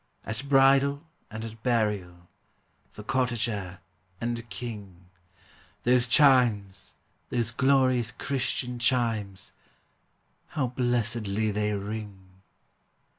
At bridal and at burial, For cottager and king, Those chimes, those glorious Christian chimes, How blessedly they ring!